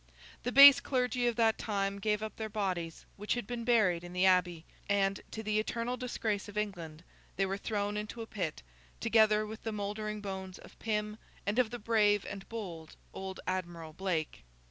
The base clergy of that time gave up their bodies, which had been buried in the Abbey, and—to the eternal disgrace of England—they were thrown into a pit, together with the mouldering bones of Pym and of the brave and bold old Admiral Blake.